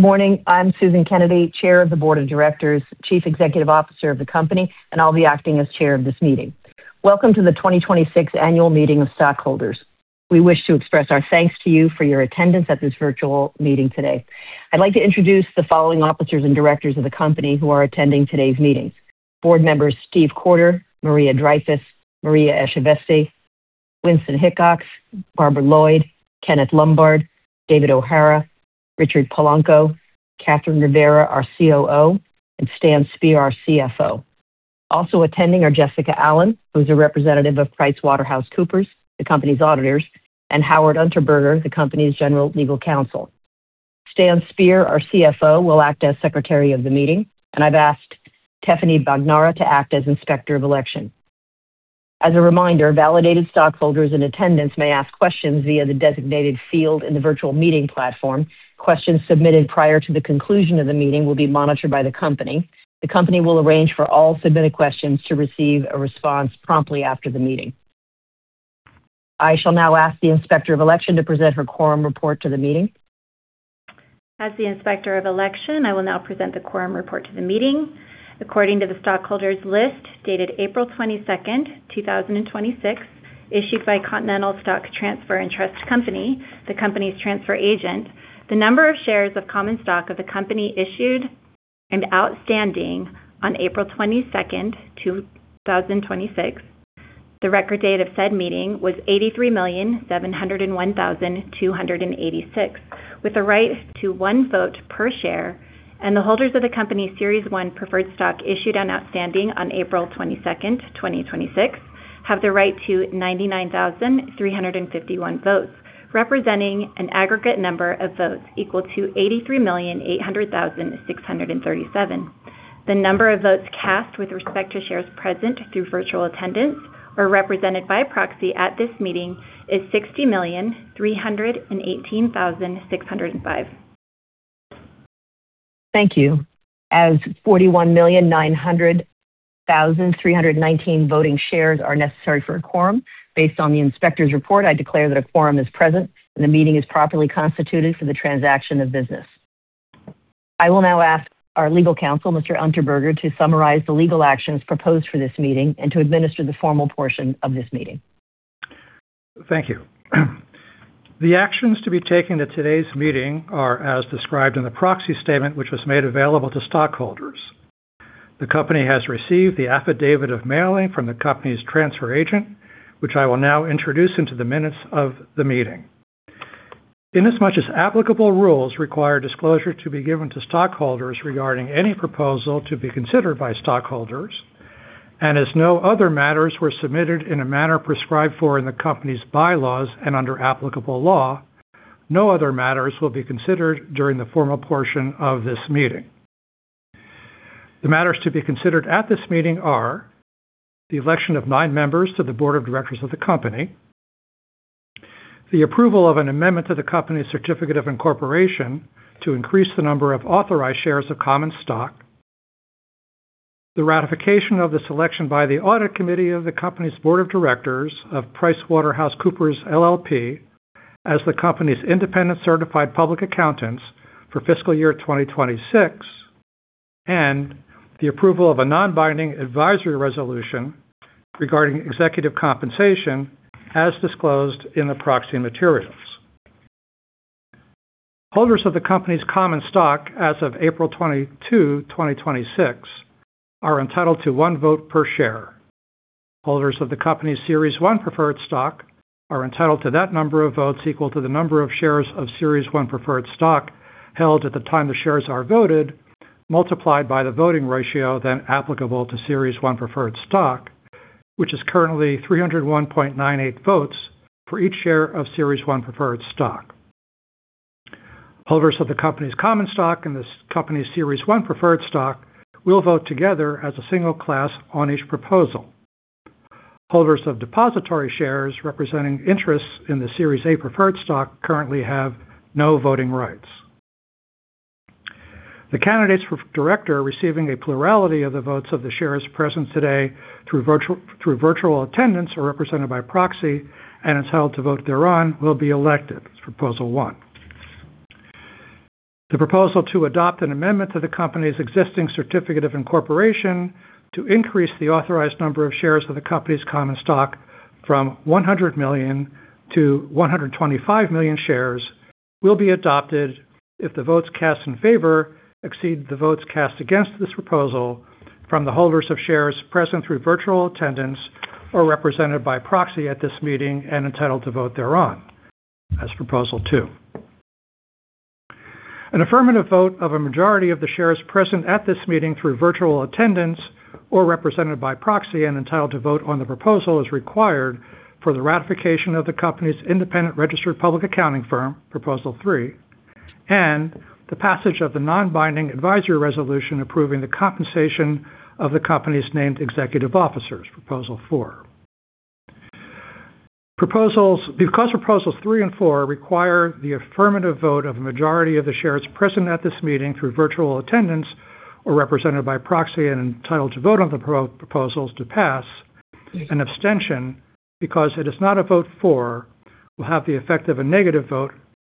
Morning. I'm Susan Kennedy, Chair of the Board of Directors, Chief Executive Officer of the company, and I'll be acting as Chair of this meeting. Welcome to the 2026 Annual Meeting of Stockholders. We wish to express our thanks to you for your attendance at this virtual meeting today. I'd like to introduce the following officers and directors of the company who are attending today's meeting. Board members Steve Courter, Maria Dreyfus, Maria Echaveste, Winston Hickox, Barbara Lloyd, Kenneth Lombard, David O'Hara, Richard Polanco, Cathryn Rivera, our COO, and Stan Speer, our CFO. Also attending are Jessica Allen, who's a representative of PricewaterhouseCoopers, the company's auditors, and Howard Unterberger, the company's General Legal Counsel. Stan Speer, our CFO, will act as Secretary of the meeting, and I've asked Teffiny Bagnara to act as Inspector of Election. As a reminder, validated stockholders in attendance may ask questions via the designated field in the virtual meeting platform. Questions submitted prior to the conclusion of the meeting will be monitored by the company. The company will arrange for all submitted questions to receive a response promptly after the meeting. I shall now ask the Inspector of Election to present her quorum report to the meeting. As the Inspector of Election, I will now present the quorum report to the meeting. According to the stockholders' list dated April 22nd, 2026, issued by Continental Stock Transfer & Trust Company, the company's transfer agent, the number of shares of common stock of the company issued and outstanding on April 22nd, 2026, the record date of said meeting was 83,701,286, with a right to one vote per share, and the holders of the company's Series 1 preferred stock issued and outstanding on April 22nd, 2026, have the right to 99,351 votes, representing an aggregate number of votes equal to 83,800,637. The number of votes cast with respect to shares present through virtual attendance or represented by proxy at this meeting is 60,318,605. Thank you. As 41,900,319 voting shares are necessary for a quorum, based on the inspector's report, I declare that a quorum is present and the meeting is properly constituted for the transaction of business. I will now ask our legal counsel, Mr. Unterberger, to summarize the legal actions proposed for this meeting and to administer the formal portion of this meeting. Thank you. The actions to be taken at today's meeting are as described in the proxy statement, which was made available to stockholders. The company has received the affidavit of mailing from the company's transfer agent, which I will now introduce into the minutes of the meeting. Inasmuch as applicable rules require disclosure to be given to stockholders regarding any proposal to be considered by stockholders, and as no other matters were submitted in a manner prescribed for in the company's bylaws and under applicable law, no other matters will be considered during the formal portion of this meeting. The matters to be considered at this meeting are the election of nine members to the Board of Directors of the company, the approval of an amendment to the company's certificate of incorporation to increase the number of authorized shares of common stock, the ratification of the selection by the Audit Committee of the company's Board of Directors of PricewaterhouseCoopers LLP as the company's independent certified public accountants for fiscal year 2026, and the approval of a non-binding advisory resolution regarding executive compensation as disclosed in the proxy materials. Holders of the company's common stock as of April 22, 2026, are entitled to one vote per share. Holders of the company's Series 1 preferred stock are entitled to that number of votes equal to the number of shares of Series 1 preferred stock held at the time the shares are voted, multiplied by the voting ratio then applicable to Series 1 preferred stock, which is currently 301.98 votes for each share of Series 1 preferred stock. Holders of the company's common stock and the company's Series 1 preferred stock will vote together as a single class on each proposal. Holders of depository shares representing interests in the Series A preferred stock currently have no voting rights. The candidates for director receiving a plurality of the votes of the shares present today through virtual attendance or represented by proxy and entitled to vote thereon will be elected. That's Proposal 1. The proposal to adopt an amendment to the company's existing certificate of incorporation to increase the authorized number of shares of the company's common stock from 100 million-125 million shares will be adopted if the votes cast in favor exceed the votes cast against this proposal from the holders of shares present through virtual attendance or represented by proxy at this meeting and entitled to vote thereon. That's Proposal 2. An affirmative vote of a majority of the shares present at this meeting through virtual attendance or represented by proxy and entitled to vote on the proposal is required for the ratification of the company's independent registered public accounting firm, Proposal 3, and the passage of the non-binding advisory resolution approving the compensation of the company's named executive officers, Proposal 4. Proposals 3 and 4 require the affirmative vote of a majority of the shares present at this meeting through virtual attendance or represented by proxy and entitled to vote on the proposals to pass, an abstention, because it is not a vote for will have the effect of a negative vote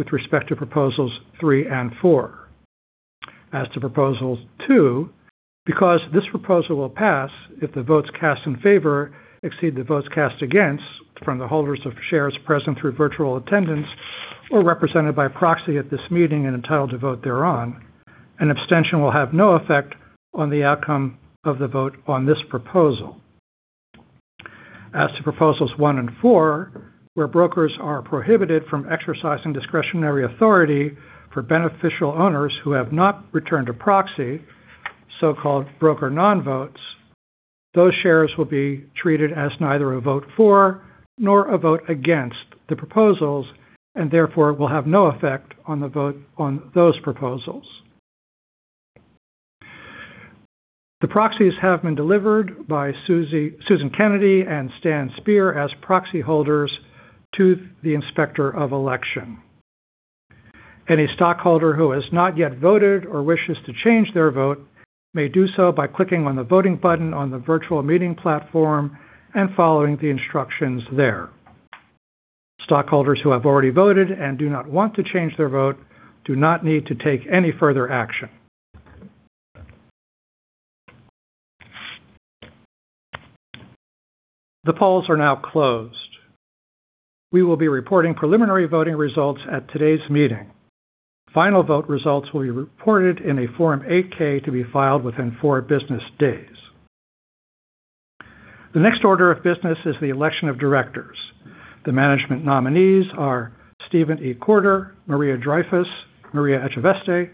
with respect to proposals three and four. As to proposals two, because this proposal will pass if the votes cast in favor exceed the votes cast against from the holders of shares present through virtual attendance or represented by proxy at this meeting and entitled to vote thereon, an abstention will have no effect on the outcome of the vote on this proposal. As to proposals one and four, where brokers are prohibited from exercising discretionary authority for beneficial owners who have not returned a proxy, so-called broker non-votes, those shares will be treated as neither a vote for nor a vote against the proposals, therefore will have no effect on the vote on those proposals. The proxies have been delivered by Susan Kennedy and Stan Speer as proxy holders to the Inspector of Election. Any stockholder who has not yet voted or wishes to change their vote may do so by clicking on the voting button on the virtual meeting platform and following the instructions there. Stockholders who have already voted and do not want to change their vote do not need to take any further action. The polls are now closed. We will be reporting preliminary voting results at today's meeting. Final vote results will be reported in a Form 8-K to be filed within four business days. The next order of business is the election of directors. The management nominees are Stephen Courter, Maria Dreyfus, Maria Echaveste,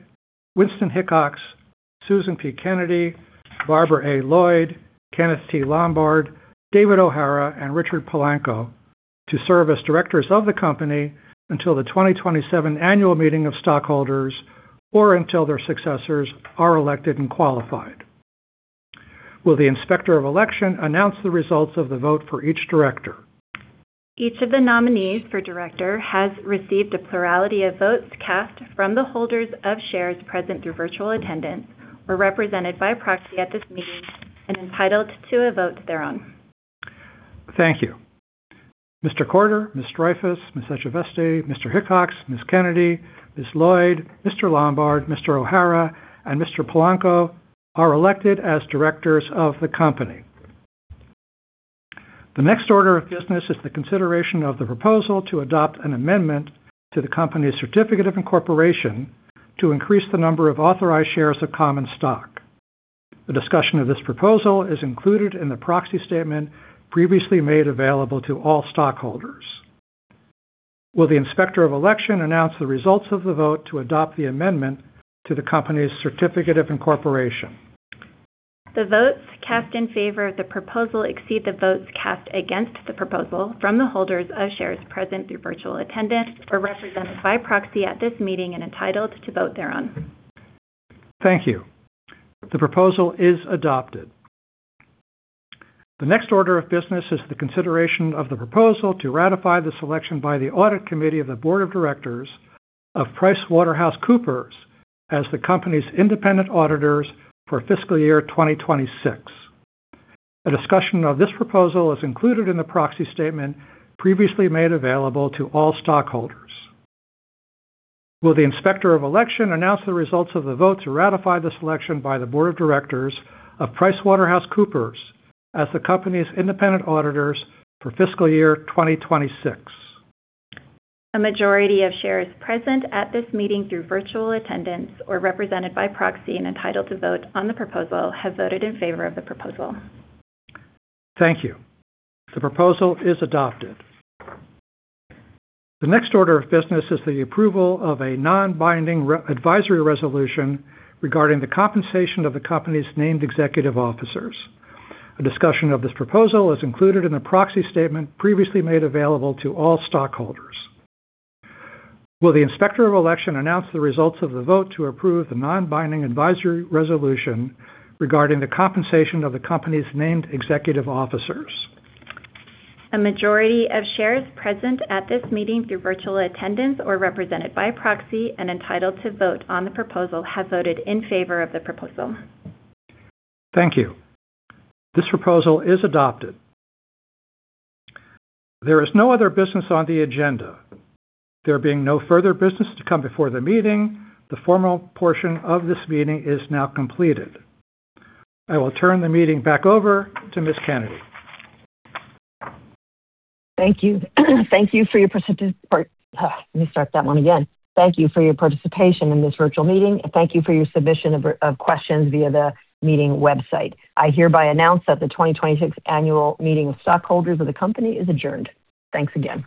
Winston Hickox, Susan Kennedy, Barbara Lloyd, Kenneth Lombard, David O'Hara, and Richard Polanco to serve as directors of the company until the 2027 Annual Meeting of Stockholders or until their successors are elected and qualified. Will the Inspector of Election announce the results of the vote for each director? Each of the nominees for director has received a plurality of votes cast from the holders of shares present through virtual attendance or represented by proxy at this meeting and entitled to a vote thereon. Thank you. Mr. Courter, Ms. Dreyfus, Ms. Echaveste, Mr. Hickox, Ms. Kennedy, Ms. Lloyd, Mr. Lombard, Mr. O'Hara, and Mr. Polanco are elected as directors of the company. The next order of business is the consideration of the proposal to adopt an amendment to the company's certificate of incorporation to increase the number of authorized shares of common stock. A discussion of this proposal is included in the proxy statement previously made available to all stockholders. Will the Inspector of Election announce the results of the vote to adopt the amendment to the company's certificate of incorporation? The votes cast in favor of the proposal exceed the votes cast against the proposal from the holders of shares present through virtual attendance or represented by proxy at this meeting and entitled to vote thereon. Thank you. The proposal is adopted. The next order of business is the consideration of the proposal to ratify the selection by the Audit Committee of the Board of Directors of PricewaterhouseCoopers as the company's independent auditors for fiscal year 2026. A discussion of this proposal is included in the proxy statement previously made available to all stockholders. Will the Inspector of Election announce the results of the vote to ratify the selection by the Board of Directors of PricewaterhouseCoopers as the company's independent auditors for fiscal year 2026? A majority of shares present at this meeting through virtual attendance or represented by proxy and entitled to vote on the proposal have voted in favor of the proposal. Thank you. The proposal is adopted. The next order of business is the approval of a non-binding advisory resolution regarding the compensation of the company's named executive officers. A discussion of this proposal is included in the proxy statement previously made available to all stockholders. Will the Inspector of Election announce the results of the vote to approve the non-binding advisory resolution regarding the compensation of the company's named executive officers? A majority of shares present at this meeting through virtual attendance or represented by proxy and entitled to vote on the proposal have voted in favor of the proposal. Thank you. This proposal is adopted. There is no other business on the agenda. There being no further business to come before the meeting, the formal portion of this meeting is now completed. I will turn the meeting back over to Ms. Kennedy. Thank you. Let me start that one again. Thank you for your participation in this virtual meeting, and thank you for your submission of questions via the meeting website. I hereby announce that the 2026 Annual Meeting of Stockholders of the company is adjourned. Thanks again